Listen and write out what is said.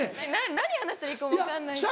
何話したらいいかも分かんないし。